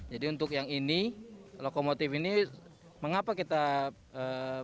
jadi untuk yang ini lokomotif ini mengapa kita reservasi